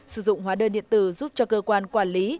sử dụng hóa đơn điện tử giúp cho cơ quan quản lý